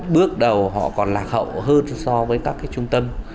bước đầu họ còn lạc hậu hơn so với các trung tâm